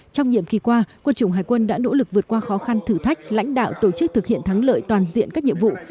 trong nhiệm kỳ qua quân chủng hải quân đã nỗ lực vượt qua khó khăn thử thách lãnh đạo tổ chức thực hiện thắng lợi toàn diện các nhiệm vụ